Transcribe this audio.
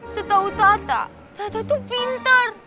setahu tata saya tuh pintar